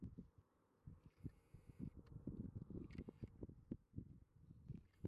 Ji ne golo yugi kamoro achiel mondo pi kik kethre.